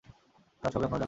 তার সবই আপনারা জানেন।